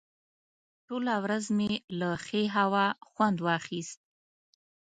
ټوله ورځ مې له ښې هوا خوند واخیست.